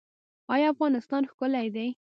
آیا افغانستان ښکلی دی؟